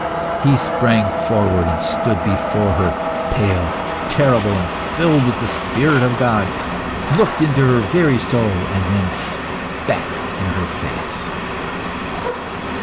He sprang forward and stood before her, pale, terrible, and filled with the Spirit of God looked into her very soul, and then spat in her face.